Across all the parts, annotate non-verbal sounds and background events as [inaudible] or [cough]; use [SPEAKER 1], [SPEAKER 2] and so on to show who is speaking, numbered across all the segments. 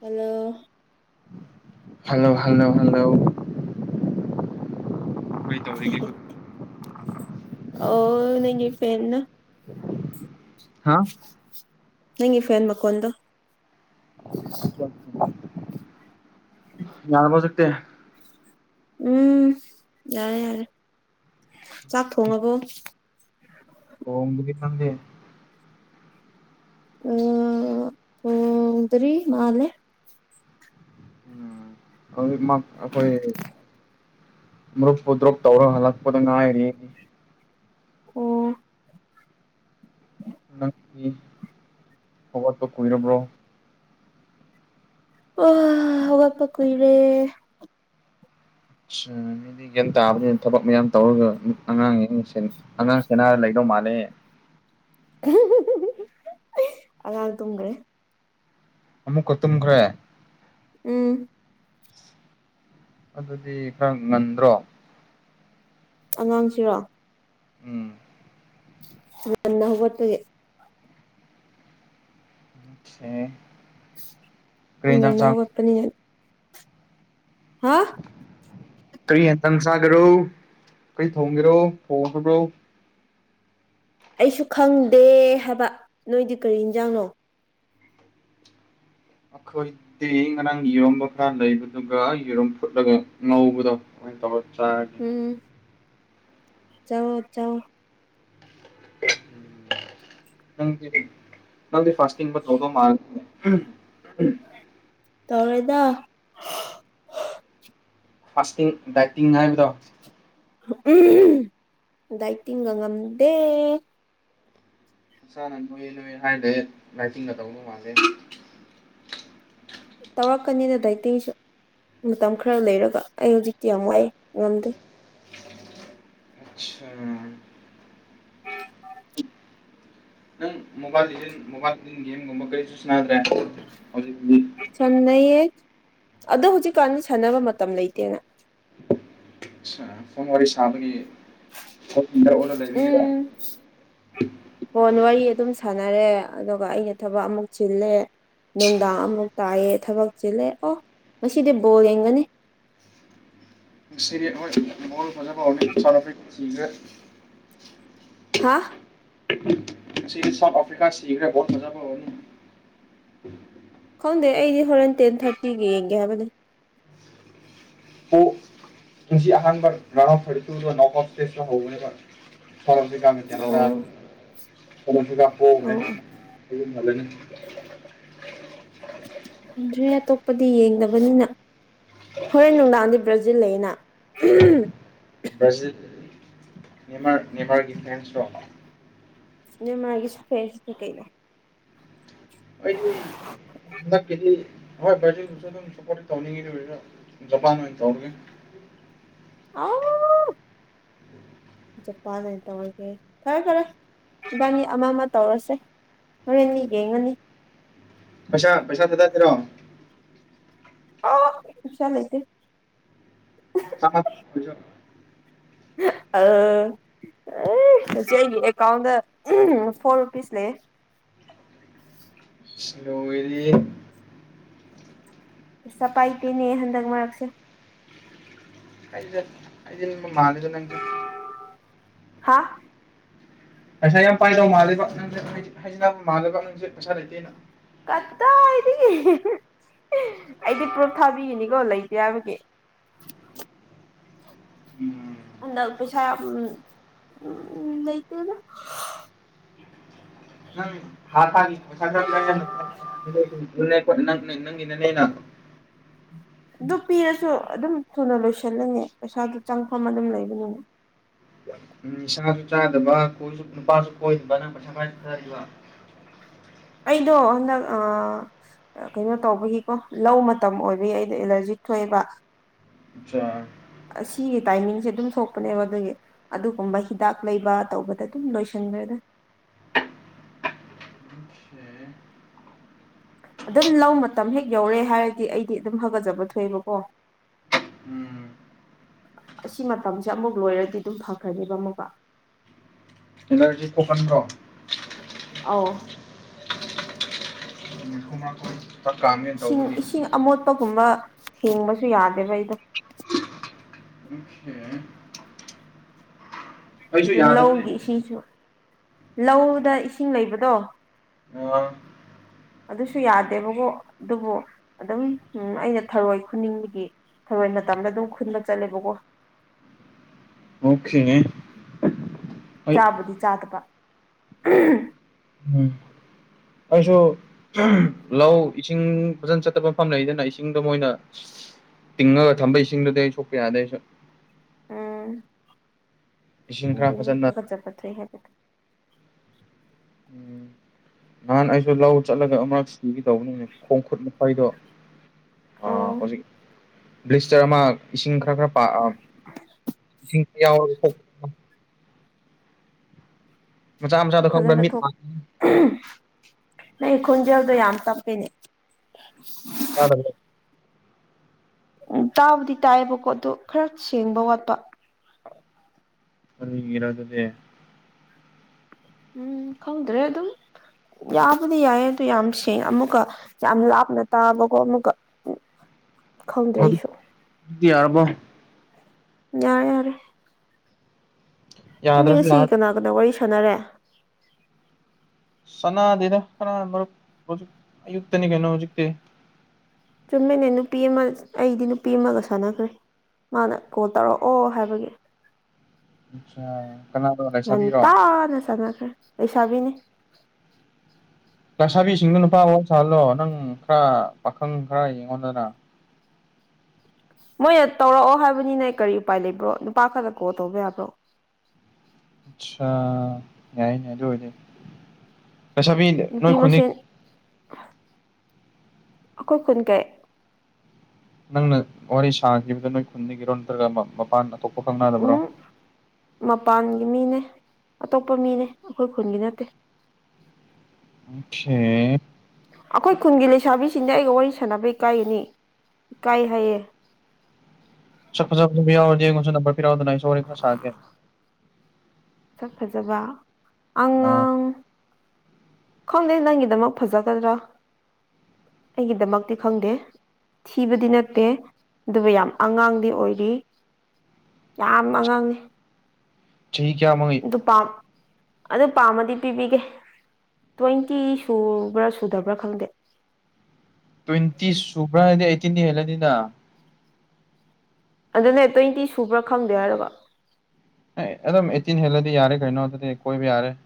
[SPEAKER 1] hello
[SPEAKER 2] hello hello hello
[SPEAKER 1] ꯑꯣ ꯅꯪꯒꯤ ꯐꯔꯦꯟꯅ
[SPEAKER 2] ꯍꯥꯥ
[SPEAKER 1] ꯅꯪꯒꯤ ꯐꯌꯦꯟ ꯃꯈꯣꯟꯗꯣ
[SPEAKER 2] [inaudible] ꯌꯥꯔꯕꯣ ꯑꯗꯨꯗꯤ
[SPEAKER 1] ꯎꯝ ꯌꯥꯔꯦ ꯌꯥꯔꯦ ꯆꯥꯛ ꯊꯣꯡꯉꯕꯣ
[SPEAKER 2] ꯥꯊꯣꯡꯗ꯭ꯔꯤ ꯅꯪꯗꯤ
[SPEAKER 1] ꯊꯣꯡꯗ꯭ꯔꯤ ꯃꯥꯜꯂꯦ
[SPEAKER 2] ꯎꯝ ꯍꯧꯖꯤꯛꯃꯛ ꯑꯩꯈꯣꯏ ꯃꯔꯨꯞꯄꯨ ꯗ꯭ꯔꯣꯞ ꯇꯧꯔ ꯍꯜꯂꯛꯄꯗ ꯉꯥꯏꯔꯤ
[SPEAKER 1] ꯑꯣ
[SPEAKER 2] ꯅꯪꯒꯤ ꯍꯧꯒꯠꯄ ꯀꯨꯏꯔꯕ꯭ꯔꯣ
[SPEAKER 1] ꯑꯣ ꯍꯧꯒꯠꯄ ꯀꯨꯏꯔꯦ
[SPEAKER 2] ꯑꯠꯆꯥ ꯒ꯭ꯌꯥꯟ ꯇꯥꯕꯅꯤꯅ ꯊꯕꯛ ꯃꯌꯥꯝ ꯇꯧꯔꯒ ꯑꯉꯥꯡ ꯑꯉꯥꯡ ꯁꯦꯅꯥꯔ ꯂꯩꯗꯧ ꯃꯥꯜꯂꯦ
[SPEAKER 1] ꯑꯉꯥꯡ ꯇꯨꯝꯈ꯭ꯔꯦ
[SPEAKER 2] ꯑꯃꯨꯛꯀ ꯇꯨꯝꯈ꯭ꯔꯦ
[SPEAKER 1] ꯎꯝ
[SPEAKER 2] ꯑꯗꯨꯗꯤ ꯈꯔ ꯉꯟꯗ꯭ꯔꯣ
[SPEAKER 1] ꯑꯉꯥꯡꯁꯤꯔꯣ
[SPEAKER 2] ꯎꯝ
[SPEAKER 1] ꯉꯥꯟꯅ ꯍꯧꯒꯠꯄꯒꯤ
[SPEAKER 2] ꯎꯝ
[SPEAKER 1] ꯉꯥꯟꯅ ꯍꯧꯒꯠꯄꯅꯤ ꯍꯥ
[SPEAKER 2] ꯀꯔꯤ ꯌꯦꯟꯁꯥꯡ ꯁꯥꯒꯦꯔꯣ ꯀꯔꯤ ꯊꯣꯡꯒꯦꯔꯣ ꯊꯣꯡꯈꯤꯕ꯭ꯔꯣ
[SPEAKER 1] ꯑꯩꯁꯨ ꯈꯪꯗꯦ ꯍꯥꯏꯕ ꯅꯣꯏꯗꯤ ꯀꯔꯤ ꯌꯦꯟꯖꯥꯡꯅꯣ
[SPEAKER 2] ꯑꯩꯈꯣꯏꯤ ꯉꯔꯥꯡ ꯢꯔꯣꯝꯕ ꯈꯔ ꯂꯩꯕꯗꯨꯒ ꯌꯦꯔꯣꯝ ꯐꯨꯠꯂꯒ ꯉꯧꯕꯗꯣ ꯑꯗꯨꯃꯥꯢ ꯇꯧꯔ ꯆꯥꯢ
[SPEAKER 1] ꯎꯝ ꯆꯥꯎ ꯆꯥꯎ
[SPEAKER 2] ꯅꯪꯗꯤ ꯅꯪꯗꯤ [unintelligible] [unintelligible]
[SPEAKER 1] ꯇꯧꯔꯣꯢꯗ
[SPEAKER 2] ꯐꯥꯁꯇꯤꯡ ꯗꯥꯏꯇꯤꯡ ꯍꯥꯏꯕꯗꯣ
[SPEAKER 1] ꯗꯥꯏꯗꯤꯡꯒ ꯉꯝꯗꯦ
[SPEAKER 2] ꯏꯁꯥꯅ ꯅꯣꯏ ꯅꯣꯏ ꯍꯥꯏꯔ ꯂꯩꯌꯦ ꯗꯥꯏꯇꯤꯡꯒ ꯇꯧꯗꯧ ꯃꯥꯟꯗꯦ
[SPEAKER 1] ꯇꯧꯔꯛꯀꯅꯤꯗ ꯗꯥꯏꯇꯤꯡꯁꯨ ꯃꯇ ꯝ ꯈꯔ ꯂꯩꯔꯒ ꯑꯩ ꯍꯧꯖꯤꯛꯇꯤ ꯌꯥꯝ ꯋꯥꯏꯑꯦ ꯉꯝꯗꯦ
[SPEAKER 2] ꯑꯠꯆꯥ ꯅꯪ ꯃꯣꯕꯥꯜ ꯂꯤꯖꯦꯟ ꯃꯣꯕꯥꯜ [unintelligible] [unintelligible] ꯍꯧꯖꯤꯛ
[SPEAKER 1] ꯁꯥꯟꯅꯩꯌꯦ ꯑꯗꯣ ꯍꯧꯖꯤꯛꯀꯥꯟ ꯁꯥꯟꯅꯕ ꯃꯇꯝ ꯂꯩꯇꯦꯗ
[SPEAKER 2] ꯐꯣꯟ ꯋꯥꯔꯤ ꯁꯥꯕꯒꯤ [unintelligible] ꯑꯣꯏꯅ ꯂꯩꯕꯤꯒꯤꯔꯣ
[SPEAKER 1] ꯎꯝ ꯐꯣꯟ ꯋꯥꯔꯤ ꯑꯗꯨꯝ ꯁꯥꯟꯅꯔꯦ ꯑꯗꯨꯒ ꯑꯩꯅ ꯊꯥꯕꯛ ꯑꯃꯨꯛ ꯆꯤꯜꯂꯦ ꯅꯨꯡꯗꯥꯡ ꯑꯃꯨꯛ ꯇꯥꯏꯌꯦ ꯊꯥꯕꯛ ꯆꯤꯜꯂꯦ ꯑꯣ ꯉꯁꯤꯗꯤ ꯕꯣꯜ ꯌꯦꯡꯒꯅꯤ
[SPEAKER 2] ꯉꯁꯤꯔꯤ ꯍꯣꯏ ꯕꯣꯜ ꯐꯥꯖꯕ ꯍꯧꯔꯅꯤ ꯁꯥꯟꯅꯕ ꯁꯤꯡꯁꯦ
[SPEAKER 1] ꯍꯥ
[SPEAKER 2] ꯉꯁꯤꯗꯤ ꯁꯥꯎꯠ ꯑꯐ꯭ꯔꯤꯀ ꯁꯤꯈ꯭ꯔꯦ [unintelligible]
[SPEAKER 1] ꯈꯪꯗꯦ ꯑꯩꯗꯤ ꯍꯣꯔꯦꯟ ꯇꯦꯟ ꯊꯥꯔꯇꯤꯒ ꯌꯦꯡꯒꯦ ꯍꯥꯏꯕꯅꯦ
[SPEAKER 2] ꯄꯣ ꯉꯁꯤ ꯑꯍꯥꯟꯕ [unintelligible] ꯍꯧꯕꯅꯦꯕ ꯑꯐꯔꯤꯀꯥ
[SPEAKER 1] ꯑꯣ
[SPEAKER 2] [unintelligible] ꯐꯔꯁꯤ ꯄꯣꯒ꯭ꯔꯦ
[SPEAKER 1] ꯑꯣ
[SPEAKER 2] ꯌꯨꯝ ꯍꯜꯂꯅꯤ
[SPEAKER 1] ꯗ꯭ꯔꯦ ꯑꯇꯣꯞꯄꯗꯤ ꯌꯦꯡꯗꯕꯅꯤꯅ ꯍꯣꯔꯦꯟ ꯅꯨꯡꯗꯥꯡꯗꯤ ꯕ꯭ꯔꯥꯖꯤꯜ ꯂꯩꯌꯦꯅ [unintelligible]
[SPEAKER 2] ꯕ꯭ꯔꯥꯖꯤꯜ ꯅꯪꯃ ꯅ꯭ꯌꯃꯥꯔꯛꯀꯤ ꯐ꯭ꯔꯦꯟꯁꯂꯣ
[SPEAKER 1] ꯅꯦꯃꯥꯔꯒꯤꯁꯨ ꯐꯦꯁꯅꯤ ꯀꯩꯅꯣ
[SPEAKER 2] ꯑꯩꯗꯤ ꯍꯟꯗꯛꯀꯤꯗꯤ ꯕ‍꯭ꯔꯥꯖꯤꯝꯁꯨ ꯑꯗꯨꯝ ꯁꯞꯄꯣꯠ ꯇꯧꯅꯤꯡꯉꯤ ꯖꯄꯥꯟ ꯑꯣꯏꯅ ꯇꯧꯔꯅꯤ [inaudible]
[SPEAKER 1] ꯆꯖꯄꯥꯟ ꯑꯣꯏꯅ ꯇꯧꯔꯒꯦ ꯐꯥꯔꯦ ꯐꯥꯔꯦ ꯏꯕꯥꯟꯅꯤ ꯑꯃꯥ ꯑꯃꯥ ꯇꯧꯔꯁꯦ ꯍꯣꯔꯦꯟꯅꯤ ꯌꯦꯡꯉꯅꯤ
[SPEAKER 2] ꯄꯩꯁꯥ ꯄꯩꯁꯥ ꯊꯥꯗꯠꯇꯔꯣ
[SPEAKER 1] ꯄꯩꯁꯥ ꯂꯩꯇꯦ
[SPEAKER 2] [inaudible]
[SPEAKER 1] ꯑꯥ ꯑꯦ ꯍꯧꯖꯤꯛ ꯑꯩꯒꯤ ꯑꯦꯀꯥꯎꯟꯗ ꯐꯣꯔ ꯔꯨꯄꯤꯁ ꯂꯩꯌꯦ
[SPEAKER 2] ꯑꯁ ꯂꯣꯏꯔꯤꯌꯦ
[SPEAKER 1] ꯄꯩꯁꯥ ꯄꯥꯏꯇꯦꯅꯦ ꯍꯟꯗꯛ ꯃꯔꯛꯁꯦ
[SPEAKER 2] ꯑꯦ ꯑꯦ ꯍꯥꯏꯖꯤꯟꯕ ꯃꯥꯜꯂꯦꯗ ꯅꯪꯁꯦ
[SPEAKER 1] ꯍꯥ
[SPEAKER 2] ꯄꯩꯁꯥ ꯌꯥꯝ ꯄꯥꯏꯗꯕ ꯃꯥꯜꯂꯦꯕ ꯅꯪꯁꯨ ꯍꯥꯏꯖꯤꯟꯅꯕ ꯃꯥꯜꯂꯦꯕ ꯅꯪꯁꯨꯦ ꯄꯩꯁꯥ ꯂꯩꯇꯦꯅ
[SPEAKER 1] ꯀꯗꯥꯏꯗꯤ ꯑꯩꯗꯤ ꯄ꯭ꯔꯨꯞ ꯊꯥꯕꯤꯒꯅꯤ ꯀꯣ ꯂꯩꯇꯦ ꯍꯥꯏꯕꯒꯤ
[SPEAKER 2] ꯎꯝ
[SPEAKER 1] ꯍꯟꯗꯛ ꯄꯩꯁꯥ ꯑꯝ ꯂꯩꯇꯦꯗ
[SPEAKER 2] ꯅꯪ ꯍꯥꯁꯪ ꯅꯪꯅ [unintelligible] ꯅꯩꯅꯣ
[SPEAKER 1] ꯑꯗꯨ ꯄꯤꯔꯁꯨ ꯑꯗꯨꯝ ꯊꯨꯅ ꯂꯣꯏꯁꯟꯂꯤꯅꯦ ꯄꯩꯁꯥꯗꯨ ꯆꯪꯐꯝ ꯑꯗꯨꯝ ꯂꯩꯕꯒꯤ
[SPEAKER 2] ꯎꯝ ꯅꯤꯁꯨ ꯆꯥꯗꯕ ꯅꯨꯄꯥꯁꯨ ꯀꯣꯏꯗꯕ ꯅꯪꯅ ꯀꯃꯥꯏꯟ ꯊꯥꯗꯔꯤꯕ
[SPEAKER 1] ꯑꯩꯗꯣ ꯍꯟꯗꯛ ꯑꯥ ꯀꯩꯅꯣ ꯇꯧꯕꯒꯤ ꯀꯣ ꯂꯧ ꯃꯇꯝ ꯑꯣꯏꯕꯒꯤ ꯑꯩꯩꯗꯨ ꯑꯦꯂꯔꯖꯤ ꯊꯣꯛꯑꯦꯕ
[SPEAKER 2] ꯑꯥꯆꯥ
[SPEAKER 1] ꯑꯁꯤꯒꯤ ꯇꯥꯏꯃꯤꯡꯁꯦ ꯑꯗꯨꯝ ꯊꯣꯛꯄꯅꯦꯕ ꯑꯗꯨꯒꯤ ꯑꯗꯨꯒꯨꯝꯕ ꯍꯤꯗꯥꯛ ꯂꯩꯕ ꯇꯧꯕꯗ ꯑꯗꯨꯝ ꯂꯣꯏꯁꯟꯈ꯭ꯔꯦꯗ
[SPEAKER 2] [inaudible]
[SPEAKER 1] ꯑꯗꯨꯝ ꯂꯧ ꯃꯇꯝ ꯍꯦꯛ ꯌꯧꯔꯦ ꯍꯥꯏꯔꯗꯤ ꯑꯩꯗꯤ ꯑꯗꯨꯝ ꯍꯥꯒꯠꯆꯕ ꯊꯣꯛꯑꯦꯕꯀꯣ ꯑꯁꯤ ꯃꯇꯝꯁꯦ ꯑꯃꯨꯛ ꯂꯣꯏꯔꯗꯤ ꯑꯗꯨꯝ ꯐꯈ꯭ꯔꯅꯦꯕ ꯑꯃꯨꯛꯀ
[SPEAKER 2] [unintelligible] ꯔꯣꯛꯒꯥꯟꯕ꯭ꯔꯣ
[SPEAKER 1] ꯑꯧ
[SPEAKER 2] [inaudible]
[SPEAKER 1] ꯏꯁꯤꯡ ꯏꯁꯤꯡ ꯑꯃꯣꯠꯄꯒꯨꯝꯕ ꯊꯦꯡꯕꯁꯨ ꯌꯥꯗꯦꯕ ꯑꯩꯗꯣ
[SPEAKER 2] [inaudible]
[SPEAKER 1] ꯑꯗꯨ ꯂꯧꯒꯤ ꯏꯁꯤꯡꯁꯨ ꯂꯧꯗ ꯏꯁꯤꯡ ꯂꯩꯕꯗꯣ
[SPEAKER 2] [inaudible]
[SPEAKER 1] ꯑꯗꯨꯁꯨ ꯌꯥꯗꯦꯕꯒꯣ ꯑꯗꯨꯕꯨ ꯑꯗꯨꯝ ꯎꯝ ꯑꯩꯅ ꯊꯔꯣꯏ ꯈꯨꯟꯅꯤꯡꯕꯒꯤ ꯊꯔꯣꯏ ꯃꯇꯝꯗ ꯑꯗꯨꯝ ꯈꯨꯟꯕ ꯆꯠꯂꯦꯕꯀꯣ
[SPEAKER 2] ꯑꯣꯀꯦ
[SPEAKER 1] ꯆꯥꯕꯨꯗꯤ ꯆꯥꯗꯕ
[SPEAKER 2] ꯎꯝ ꯑꯩꯁꯨ ꯂꯧ ꯏꯁꯤꯡ ꯐꯖꯅ ꯆꯠꯇꯕ ꯃꯐꯝ ꯂꯩꯗꯅ ꯏꯁꯤꯡꯗ ꯃꯣꯏꯅ ꯇꯤꯡꯉꯒ ꯊꯝꯕ ꯏꯁꯤꯡꯗꯨꯗꯤ ꯑꯩ ꯁꯣꯛꯄ ꯌꯥꯗꯦ ꯑꯩꯁꯨ
[SPEAKER 1] ꯎꯝ ꯑꯗꯨꯅꯤ ꯍꯥꯒꯠꯖꯄꯅꯦ ꯍꯦꯛꯇ
[SPEAKER 2] [inaudible] ꯅꯍꯥꯟ ꯑꯩꯁꯨ ꯂꯧ ꯆꯠꯂꯒ ꯑꯃꯛ ꯁꯤꯒꯦ ꯗꯧꯕꯅꯤꯅꯦ ꯈꯣꯡ ꯈꯨꯨꯠ ꯃꯈꯩꯗꯣ ꯑ
[SPEAKER 1] ꯑꯣ
[SPEAKER 2] ꯍꯧꯖꯤꯛ ꯕ꯭ꯂꯤꯁꯇꯔ ꯑꯃ ꯏꯁꯤꯡ ꯈꯔ ꯈꯔ [inaudible] ꯢꯁꯤꯡ ꯌꯥꯎ ꯃꯆꯥ ꯃꯆꯥꯗꯣ ꯈꯪꯕ꯭ꯔꯥ
[SPEAKER 1] ꯐꯖꯅ
[SPEAKER 2] ꯃꯤꯠ
[SPEAKER 1] ꯊꯣꯛ ꯅ ꯈꯣꯟꯖꯦꯜꯗꯣ ꯌꯥꯝ ꯇꯥꯞꯄꯤꯅꯦ
[SPEAKER 2] ꯀꯅꯕ꯭ꯔꯥ [unintelligible]
[SPEAKER 1] ꯎꯝ ꯇꯥꯕꯨꯗꯤ ꯇꯥꯏꯌꯦꯕꯀꯣ ꯑꯗꯨ ꯈꯔ ꯁꯦꯡꯕ ꯋꯥꯠꯄ
[SPEAKER 2] ꯀꯔꯤꯒꯤꯔ ꯑꯗꯨꯗꯤ
[SPEAKER 1] ꯎꯝ ꯈꯪꯗ꯭ꯔꯦ ꯑꯗꯨꯝ ꯌꯥꯕꯨꯗꯤ ꯌꯥꯏ ꯑꯗꯨ ꯌꯥꯝ ꯁꯦꯡꯉ ꯑꯃꯨꯛꯀ ꯌꯥꯝ ꯂꯥꯞꯅ ꯇꯥꯕꯒꯣ ꯑꯃꯨꯛꯒ ꯈꯪꯗ꯭ꯔꯦ ꯑꯩꯁꯨ
[SPEAKER 2] ꯗꯤ ꯌꯥꯔꯕꯣ
[SPEAKER 1] ꯌꯥꯔꯦ ꯌꯥꯔꯦ ꯅꯪꯗꯤ
[SPEAKER 2] ꯌꯥꯗ꯭ꯔꯁꯨ
[SPEAKER 1] ꯉꯁꯤ
[SPEAKER 2] ꯂꯥꯛ
[SPEAKER 1] ꯀꯅꯥ ꯀꯅꯥ ꯋꯥꯔꯤ ꯁꯥꯟꯅꯔꯦ
[SPEAKER 2] ꯁꯅꯥꯗꯦꯗ ꯀꯅꯥ ꯃꯔꯨꯞ ꯍꯧꯖꯤꯛ ꯑꯌꯨꯛꯇꯅꯤ ꯀꯩꯅꯣ ꯍꯧꯖꯤꯛꯇꯤ
[SPEAKER 1] ꯆꯨꯝꯃꯤꯅꯦ ꯅꯨꯄꯤ ꯑꯃ ꯑꯩꯗꯤ ꯅꯨꯄꯤ ꯑꯃꯒ ꯁꯥꯟꯅꯈ꯭ꯔꯦ ꯃꯥꯅ ꯀꯣꯜ ꯇꯧꯔꯛꯑꯣ ꯍꯥꯏꯕꯒꯤ
[SPEAKER 2] ꯀꯅꯥꯅꯣ ꯂꯩꯁꯥꯕꯤꯔꯣ
[SPEAKER 1] ꯉꯥꯟꯇꯅ ꯁꯥꯟꯅꯈ꯭ꯔꯦ ꯂꯩꯁꯥꯕꯤꯅꯤ
[SPEAKER 2] ꯂꯩꯁꯥꯕꯤꯁꯤꯡꯗꯣ ꯅꯨꯄꯥ ꯋꯥꯔꯤ ꯁꯥꯍꯜꯂꯣ ꯅꯪ ꯈꯔ ꯄꯥꯈꯪ ꯈꯔ ꯌꯦꯡꯉꯣꯗꯅ
[SPEAKER 1] ꯃꯣꯏꯅ ꯇꯧꯔꯛꯑꯣ ꯍꯥꯏꯕꯅꯤꯅꯦ ꯀꯔꯤ ꯎꯄꯥꯏ ꯂꯩꯕ꯭ꯔꯣ ꯅꯨꯄꯥ ꯈꯔꯗ ꯀꯣꯜ ꯇꯧꯕ ꯌꯥꯕ꯭ꯔꯣ
[SPEAKER 2] ꯑꯠꯆꯥ ꯌꯥꯏ ꯑꯗꯨꯑꯣꯢꯔꯗꯤ ꯂꯩꯁꯥꯕꯤ
[SPEAKER 1] ꯅꯨꯄꯤ
[SPEAKER 2] ꯅꯣꯏ ꯈꯨꯟꯗꯤ
[SPEAKER 1] ꯃꯁꯦꯟ ꯑꯩꯈꯣꯢ ꯈꯨꯟ ꯀꯩ
[SPEAKER 2] ꯅꯪꯅ ꯋꯥꯔꯤ ꯁꯥꯈꯤꯕꯗꯨ ꯅꯣꯏ ꯈꯨꯟꯗꯒꯤꯔꯣ ꯅꯠꯇ꯭ꯔꯒ ꯃꯄꯥꯟ ꯑꯇꯣꯞꯄ ꯈꯪꯅꯔꯕ꯭ꯔꯣ
[SPEAKER 1] ꯎꯝ ꯃꯄꯥꯟꯒꯤ ꯃꯤꯅꯦ ꯑꯇꯣꯞꯄ ꯃꯤꯅꯦ ꯑꯩꯈꯣꯏ ꯈꯨꯟꯒꯤ ꯅꯠꯇꯦ
[SPEAKER 2] ꯑꯣꯀꯦ
[SPEAKER 1] ꯑꯩꯈꯣꯏ ꯈꯨꯟꯒꯤ ꯂꯩꯁꯥꯕꯤꯁꯤꯡꯗꯤ ꯑꯩꯒ ꯋꯥꯔꯤ ꯁꯥꯟꯅꯕ ꯏꯀꯥꯏꯒꯅꯤ ꯏꯀꯥꯏ ꯍꯥꯏꯌꯦ
[SPEAKER 2] ꯁꯛ ꯐꯖ ꯐꯖꯕ ꯌꯥꯎꯔꯗꯤ ꯑꯩꯉꯣꯟꯁꯨ ꯅꯝꯕꯔ ꯄꯤꯔꯛꯎꯗꯅ ꯑꯩꯁꯨ ꯋꯥꯔꯤ ꯈꯔ ꯁꯥꯒꯦ
[SPEAKER 1] ꯐꯖꯕ
[SPEAKER 2] ꯑꯥ
[SPEAKER 1] ꯑꯉꯥꯡ ꯈꯪꯗꯦ ꯅꯪꯒꯤꯗꯃꯛ ꯐꯖꯒꯗ꯭ꯔꯥ ꯑꯩꯒꯤꯗꯃꯛꯇꯤ ꯈꯪꯗꯦ ꯊꯤꯕꯗꯤ ꯅꯠꯇꯦ ꯑꯗꯨꯕꯨ ꯌꯥꯝ ꯑꯉꯥꯡꯗꯤ ꯑꯣꯏꯔꯤ ꯌꯥꯝ ꯑꯉꯥꯡꯉꯤ
[SPEAKER 2] ꯆꯍꯤ ꯀꯌꯥ ꯃꯤ
[SPEAKER 1] ꯄꯥꯝ ꯑꯗꯨ ꯄꯥꯝꯃꯗꯤ ꯄꯤꯕꯤꯒꯦ ꯇ꯭ꯋꯦꯟꯇꯤ ꯁꯨꯕ꯭ꯔꯥ ꯁꯨꯗꯕ꯭ꯔꯥ ꯈꯪꯗꯦ
[SPEAKER 2] ꯇ꯭ꯋꯦꯟꯇꯤ ꯁꯨꯕ꯭ꯔꯥ ꯍꯥꯏꯗꯤ ꯑꯩꯠꯇꯤꯟꯗꯤ ꯍꯦꯜꯂꯅꯤꯗ
[SPEAKER 1] ꯑꯗꯨꯅꯦ ꯇ꯭ꯋꯦꯟꯇꯤ ꯁꯨꯕ꯭ꯔꯥ ꯈꯪꯗꯦ ꯍꯥꯏꯔꯕ
[SPEAKER 2] ꯑꯦ ꯑꯗꯨꯝ ꯑꯩꯠꯇꯤꯟ ꯍꯦꯜꯂꯗꯤ ꯌꯥꯔꯦ ꯀꯩꯅꯣ ꯑꯗꯨꯗꯤ ꯀꯣꯏꯕ ꯌꯥꯔꯦ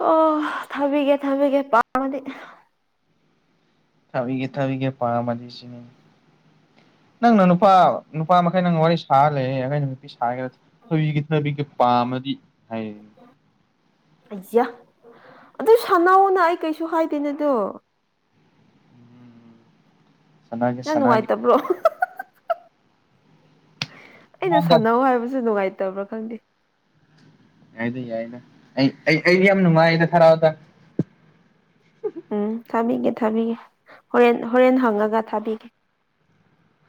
[SPEAKER 1] ꯑꯣ ꯊꯥꯕꯤꯒꯦ ꯊꯥꯕꯤꯒꯦ ꯄꯥꯈꯪꯗꯤ
[SPEAKER 2] ꯊꯕꯤꯒꯦ ꯊꯕꯤꯒꯦ ꯄꯥ [unintelligible] ꯅꯪꯅ ꯅꯨꯄꯥ ꯅꯨꯄꯥ ꯃꯈꯩ ꯅꯪ ꯋꯥꯔꯤ ꯁꯥꯔ ꯂꯩꯔꯦ ꯑꯩ ꯅꯨꯄꯤ ꯁꯥꯒꯦ [unintelligible] ꯄꯥꯝꯃꯗꯤ ꯍꯥꯏꯌꯦ
[SPEAKER 1] ꯑꯩꯌꯥ ꯑꯗꯨ ꯁꯅꯧꯅ ꯑꯩ ꯀꯩꯁꯨ ꯍꯥꯏꯗꯦꯅ ꯑꯗꯨ
[SPEAKER 2] ꯁꯅꯥꯒꯦ
[SPEAKER 1] ꯌꯥꯝ
[SPEAKER 2] ꯁꯅꯥꯒꯦ
[SPEAKER 1] ꯅꯨꯡꯉꯥꯏꯇꯕ꯭ꯔꯣ ꯑꯩꯅ ꯁꯥꯟꯅꯧ ꯍꯥꯏꯕꯁꯨ ꯅꯨꯡꯉꯥꯏꯇꯕ꯭ꯔꯥ ꯈꯪꯗꯦ
[SPEAKER 2] ꯌꯥꯏꯗ ꯌꯥꯏꯗ ꯑꯩ ꯑꯩꯗꯤ ꯌꯥꯝ ꯅꯨꯡꯉꯥꯏꯗ ꯍꯔꯥꯎꯗ
[SPEAKER 1] ꯎꯝ ꯊꯥꯕꯤꯒꯦ ꯊꯥꯕꯤꯒꯦ ꯍꯣꯔꯦꯟ ꯍꯣꯔꯦꯟ ꯍꯪꯉꯒ ꯊꯥꯕꯤꯒꯦ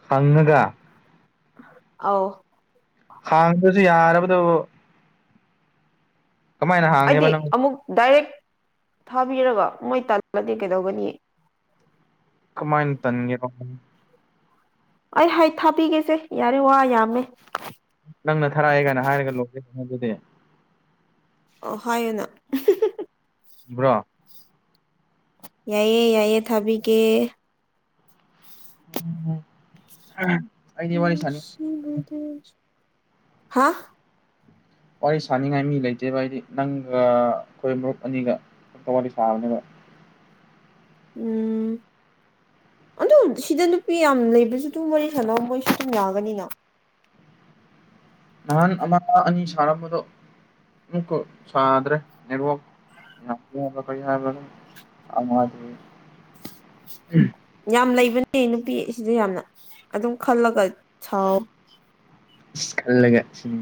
[SPEAKER 2] ꯐꯪꯉꯒ
[SPEAKER 1] ꯑꯧ
[SPEAKER 2] ꯍꯥꯡꯕꯁꯨ ꯌꯥꯗꯕꯗꯨꯕꯨ ꯍꯥꯡꯉꯦꯕ
[SPEAKER 1] ꯍꯥꯏꯗꯤ
[SPEAKER 2] ꯅꯪ
[SPEAKER 1] ꯑꯃꯨꯛ ꯗꯥꯏꯔꯦꯛ ꯊꯥꯕꯤꯔꯒ ꯃꯣꯏ ꯇꯥꯜꯂꯗꯤ ꯀꯩꯗꯧꯒꯅꯤ
[SPEAKER 2] ꯀꯃꯥꯏꯟ ꯇꯟꯉꯦꯕ
[SPEAKER 1] ꯑꯩ ꯍꯩ ꯊꯥꯕꯤꯒꯦꯁꯦ ꯌꯥꯔꯦ ꯋꯥ ꯌꯥꯝꯃꯦ
[SPEAKER 2] ꯅꯪꯅ ꯊꯥꯔꯛꯑꯦ ꯒꯥꯏꯅ ꯍꯥꯏꯔꯒ ꯂꯣꯏꯀꯦꯁꯟꯗꯨꯗꯤ
[SPEAKER 1] ꯑꯣ ꯍꯥꯏꯌꯨꯅ
[SPEAKER 2] ꯕ꯭ꯔꯣ
[SPEAKER 1] ꯌꯥꯏꯌꯦ ꯌꯥꯏꯌꯦ ꯊꯥꯕꯤꯒꯦ
[SPEAKER 2] ꯑꯩꯗꯤ ꯋꯥꯔꯤ ꯁꯥꯅꯤ
[SPEAKER 1] [unintelligible] ꯍꯥꯥ
[SPEAKER 2] ꯋꯥꯔꯤ ꯁꯥꯅꯤꯡꯉꯥꯏ ꯃꯤ ꯂꯩꯇꯦꯕ ꯑꯩꯗꯤ ꯅꯪꯒ ꯑꯩꯈꯣꯏ ꯃꯔꯨꯞ ꯑꯅꯤꯒ ꯈꯛꯇ ꯋꯥꯔꯤ ꯁꯥꯕꯅꯦꯕ
[SPEAKER 1] ꯎꯝ ꯑꯗꯨꯝ ꯁꯤꯗ ꯅꯨꯄꯤ ꯌꯥꯝ ꯂꯩꯕꯁꯨ ꯑꯗꯨꯝ ꯋꯥꯔꯤ ꯁꯥꯟꯅꯧ ꯃꯣꯏꯁꯨ ꯑꯗꯨꯝ ꯌꯥꯒꯅꯤꯅ
[SPEAKER 2] ꯅꯍꯥꯟ ꯑꯃ ꯑꯅꯤ ꯁꯥꯔꯝꯕꯗꯣ ꯑꯃꯨꯛꯀ ꯁꯥꯗ꯭ꯔꯦ ꯅꯦꯠꯋꯥꯛ ꯌꯥꯗꯦ ꯍꯥꯏꯕ꯭ꯔꯥ ꯀꯩ ꯍꯥꯏꯕ꯭ꯔꯥ ꯑꯃꯥ
[SPEAKER 1] ꯌꯥꯝ ꯂꯩꯕꯅꯦ ꯅꯨꯄꯤ ꯑꯁꯤꯗ ꯌꯥꯝꯅ ꯑꯗꯨꯝ ꯈꯜꯂꯒ ꯁꯥꯎ
[SPEAKER 2] ꯏꯁ ꯈꯜꯂꯒ ꯁꯨꯝ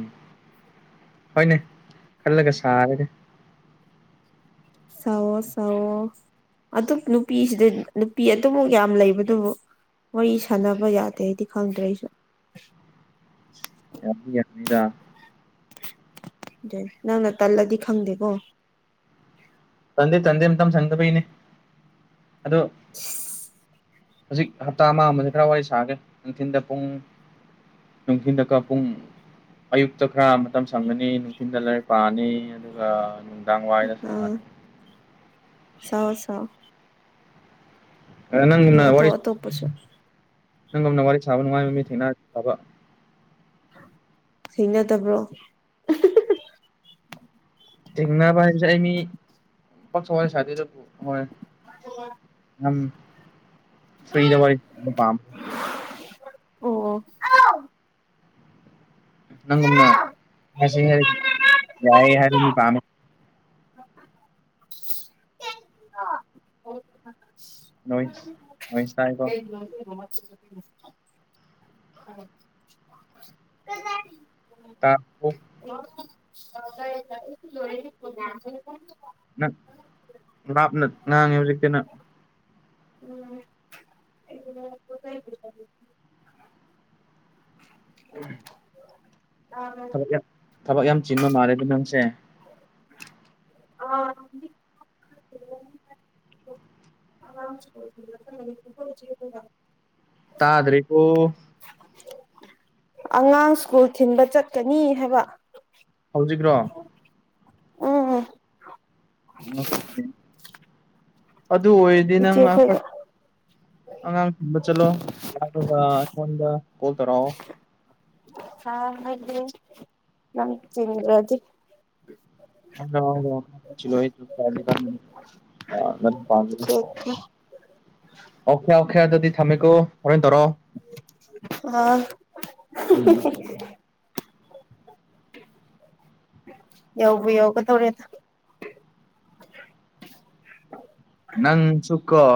[SPEAKER 2] ꯍꯣꯏꯅꯦ ꯈꯜꯂꯒ ꯁꯥꯔꯒ‌ꯦ
[SPEAKER 1] ꯁꯥꯑꯣ ꯁꯥꯑꯣ ꯑꯗꯨꯝ ꯅꯨꯄꯤꯁꯤꯗ ꯅꯨꯄꯤ ꯑꯗꯨꯃꯨꯛ ꯌꯥꯝ ꯂꯩꯕꯗꯨꯕꯨ ꯋꯥꯔꯤ ꯁꯥꯟꯅꯕ ꯌꯥꯗꯦ ꯍꯥꯏꯗꯤ ꯈꯪꯗ꯭ꯔꯦ ꯑꯩꯁꯨ
[SPEAKER 2] ꯌꯥꯗꯤ ꯌꯥꯅꯤꯗ
[SPEAKER 1] ꯅꯪꯅ ꯇꯜꯂꯗꯤ ꯈꯪꯗꯦ ꯀꯣ
[SPEAKER 2] ꯇꯟꯗꯤ ꯇꯟꯗꯦ ꯃꯇꯝ ꯁꯪꯗꯕꯩꯅꯦ ꯑꯗꯨ ꯍꯧꯖꯤꯛ ꯍꯞꯇꯥ ꯑꯃ ꯑꯃꯗꯤ ꯈꯔ ꯋꯥꯔꯤ ꯁꯥꯒꯦ ꯅꯨꯡꯊꯤꯟꯗ ꯄꯨꯡ ꯅꯨꯡꯊꯤꯟꯗꯀꯥ ꯄꯨꯡ ꯑꯌꯨꯛꯇ ꯈꯔ ꯃꯇꯝ ꯁꯪꯉꯅꯤ ꯅꯨꯡꯊꯤꯟꯗ ꯂꯥꯏꯔꯤꯛ ꯄꯥꯅꯤ ꯑꯗꯨꯒ ꯅꯨꯡꯗꯥꯡ ꯋꯥꯏꯗ
[SPEAKER 1] ꯑꯥ
[SPEAKER 2] ꯁꯪꯉꯅꯤ
[SPEAKER 1] ꯁꯥꯎ ꯁꯥꯎ ꯃꯤ
[SPEAKER 2] ꯅꯪꯒꯨꯝꯅ ꯋꯥꯔꯤ
[SPEAKER 1] ꯑꯇꯣꯞ ꯑꯇꯣꯞꯄꯁꯨ
[SPEAKER 2] ꯅꯪꯒꯨꯝꯅ ꯋꯥꯔꯤ ꯁꯥꯕ ꯅꯨꯡꯉꯥꯏꯕ ꯃꯤ ꯊꯦꯡꯅꯗꯕ
[SPEAKER 1] ꯊꯦꯡꯅꯗꯕ꯭ꯔꯣ
[SPEAKER 2] ꯊꯦꯡꯅꯕ ꯍꯥꯏꯁꯦ ꯑꯩ ꯃꯤ ꯄꯛꯅ ꯋꯥꯔꯤ ꯁꯥꯗ‌ꯦꯗ ꯍꯣꯏ
[SPEAKER 1] [inaudible]
[SPEAKER 2] ꯎꯝ ꯐ꯭ꯔꯤꯗ ꯋꯥꯔꯤ ꯁꯥꯕꯗ‌‌ꯣ ꯄꯥꯝ
[SPEAKER 1] ꯑꯣ
[SPEAKER 2] ꯅꯪꯒꯨꯝꯅ ꯍ [unintelligible] ꯌꯥꯢꯌ‌ꯦ ꯍꯥꯏꯔꯗꯤ ꯄꯥꯝꯃꯦ ꯅꯣꯏꯁ ꯅꯣꯏꯁ ꯇꯥꯏꯀꯣ
[SPEAKER 1] [unintelligible] [unintelligible]
[SPEAKER 2] [unintelligible]
[SPEAKER 1] [unintelligible]
[SPEAKER 2] ꯂꯥꯞꯅ ꯉꯥꯡꯉꯦ ꯍꯧꯖꯤꯛꯇꯤ ꯅꯪ ꯎꯝ ꯊꯕꯛ ꯌꯥꯝ ꯊꯕꯛ ꯌꯥꯝ ꯆꯤꯟꯕ ꯃꯥꯜꯂꯦꯀ‌ꯣ ꯅꯪꯁꯦ
[SPEAKER 1] ꯑꯥ [unintelligible] [unintelligible]
[SPEAKER 2] ꯇꯥꯗ‌꯭ꯔ‌ꯦꯕ‌ꯣ
[SPEAKER 1] ꯑꯉꯥꯡ ꯁ꯭ꯀꯨꯜ ꯊꯤꯟꯕ ꯆꯠꯀꯅꯤ ꯍꯥꯏꯕ
[SPEAKER 2] ꯍꯧꯖꯤꯛ꯭ꯔꯣ
[SPEAKER 1] ꯎꯝ
[SPEAKER 2] ꯑꯗꯨ ꯑꯣꯏꯔꯗꯤ ꯅꯪꯅ
[SPEAKER 1] ꯏꯆꯦꯈꯣꯏꯒ
[SPEAKER 2] ꯑꯉꯥꯡ ꯊꯤꯟꯕ ꯆꯠꯂꯣꯥ ꯑꯗꯨꯒ ꯑꯩꯉꯣꯟꯗ ꯀꯣꯜ ꯇꯧꯔꯛꯑꯣ
[SPEAKER 1] [unintelligible]
[SPEAKER 2] [unintelligible]
[SPEAKER 1] [unintelligible]
[SPEAKER 2] ꯑꯣꯀꯦ ꯑꯣꯀ‌ꯦ ꯑꯗꯨꯗꯤ ꯊꯥꯃꯦꯀ‌ꯣ ꯍꯣꯔ‌ꯦꯟ ꯇꯧꯔꯣ
[SPEAKER 1] ꯑ‌ꯥ
[SPEAKER 2] ꯎꯝ
[SPEAKER 1] ꯌꯧꯕꯨ ꯌꯧꯒꯗꯧꯔ‌ꯦꯗ
[SPEAKER 2] ꯅꯪꯁꯨꯀ‌ꯣ